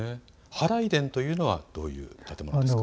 祓殿というのはどういう建物ですか。